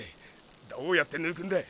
どうやって抜くんだ。